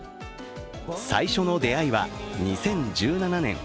最初の出会いは２０１７年。